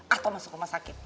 atau masuk rumah sakit